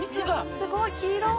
すごい黄色い。